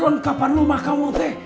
perlengkapan rumah kamu teh